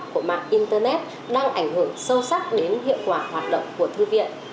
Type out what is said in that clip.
với sự phủ rộng khắp của mạng internet đang ảnh hưởng sâu sắc đến hiệu quả hoạt động của thư viện